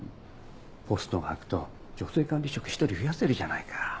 ポストが空くと女性管理職１人増やせるじゃないか。